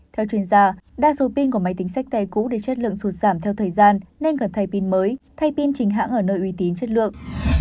theo chuyên gia đa số pin của máy tính sách tay cũ thì chất lượng sụt giảm theo thời gian nên cần thay pin mới thay pin chính hãng ở nơi uy tín chất lượng